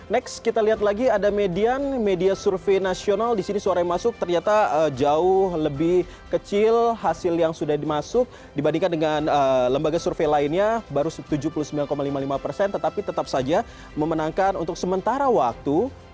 next kita lihat lagi ada median media survei nasional disini suara yang masuk ternyata jauh lebih kecil hasil yang sudah dimasuk dibandingkan dengan lembaga survei lainnya baru tujuh puluh sembilan lima puluh lima persen tetapi tetap saja memenangkan untuk sementara waktu